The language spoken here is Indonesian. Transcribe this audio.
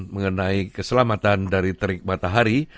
mengenai keselamatan dari terik matahari